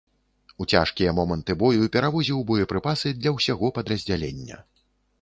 У цяжкія моманты бою перавозіў боепрыпасы для ўсяго падраздзялення.